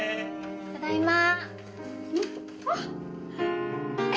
ただいま。